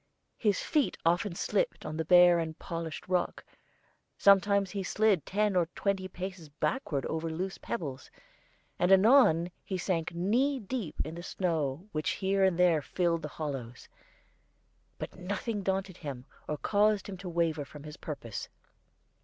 His feet often slipped on the bare and polished rock; sometimes he slid ten or twenty paces backward over loose pebbles, and anon sank knee deep in the snow which here and there filled the hollows; but nothing daunted him or caused him to waver from his purpose.